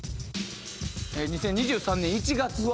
２０２３年１月。